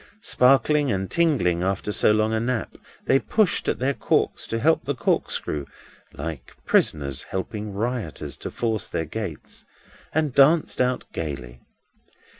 Sparkling and tingling after so long a nap, they pushed at their corks to help the corkscrew (like prisoners helping rioters to force their gates), and danced out gaily.